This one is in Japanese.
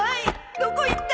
どこ行った？